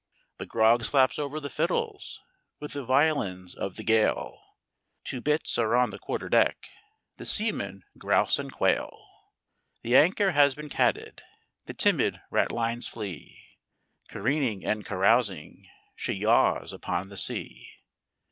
"The grog slops over the fiddles With the violins of the gale: Two bitts are on the quarterdeck, The seamen grouse and quail. "The anchor has been catted, The timid ratlines flee, Careening and carousing She yaws upon the sea.